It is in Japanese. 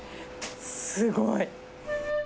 すごい。